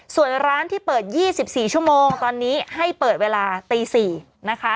ส่วนร้านที่เปิด๒๔ชั่วโมงตอนนี้ให้เปิดเวลาตี๔นะคะ